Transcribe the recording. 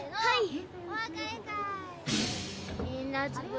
はい。